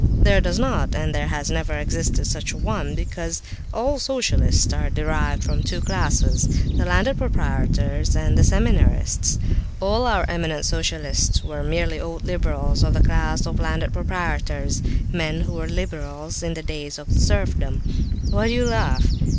There does not, and there has never existed such a one, because all socialists are derived from the two classes—the landed proprietors, and the seminarists. All our eminent socialists are merely old liberals of the class of landed proprietors, men who were liberals in the days of serfdom. Why do you laugh?